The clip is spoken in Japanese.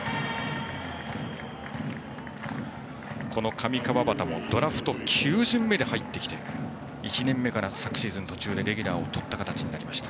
上川畑もドラフト９巡目で入ってきて１年目から昨シーズン途中でレギュラーをとった形です。